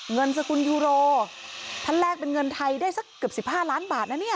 สกุลยูโรท่านแลกเป็นเงินไทยได้สักเกือบ๑๕ล้านบาทนะเนี่ย